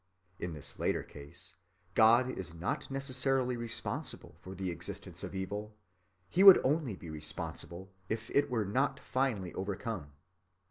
In this latter case God is not necessarily responsible for the existence of evil; he would only be responsible if it were not finally overcome.